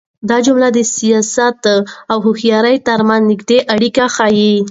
دا جملې د سياست او هوښيارۍ تر منځ نږدې اړيکه ښيي.